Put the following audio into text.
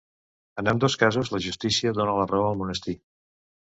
En ambdós casos la justícia donà la raó al monestir.